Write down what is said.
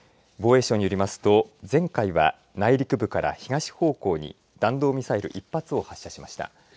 防衛省によりますと前回は内陸部から東方向に弾道ミサイル１発を発射しました。